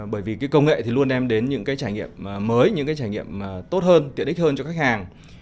bởi vì cái công nghệ thì luôn đem đến những cái trải nghiệm mới những cái trải nghiệm tốt hơn tiện ích hơn cho khách hàng